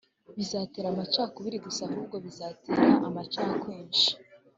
bitazatera amacakubiri gusa ahubwo bizatera amacakwinshi